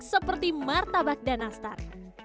seperti martabak dan nastar